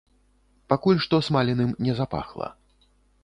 Пакуль што смаленым не запахла.